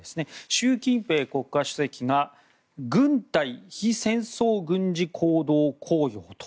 習近平国家主席が軍隊非戦争軍事行動綱要。